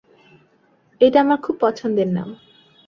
এইটা আমার খুব পছন্দের নাম।